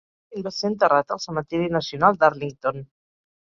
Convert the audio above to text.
Griffin va ser enterrat al cementeri nacional d'Arlington.